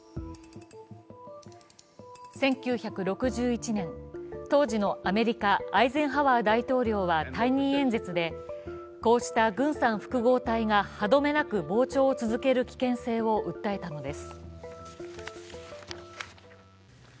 １９６１年、当時のアメリカアイゼンハワー大統領は退任演説で、こうした軍産複合体が歯止めなく膨張を続ける危険性を訴えたのです。